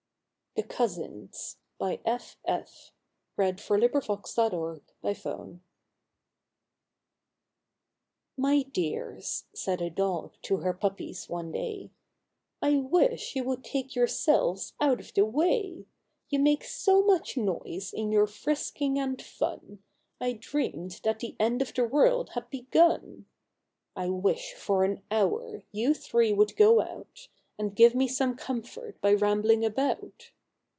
ttle Mouse lay there dead. 124 THE COUSINS. THE COUSINS. u jy[Y ^ ears,,> sa ^ a ^ er ^ u pp^ es ° ne " I wish you would take yourselves out of the way; You make so much noise in your frisking and fun, I dreamed that the end of the world had begun ! I wish, for an hour, you three would go out, And give me some comfort by rambling about."